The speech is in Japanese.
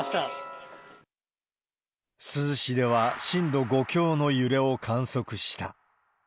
珠洲市では震度５強の揺れを観測した。